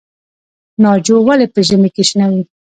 ناجو ولې په ژمي کې شنه وي؟